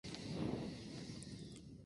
Cada cantante debe seleccionar dos canciones.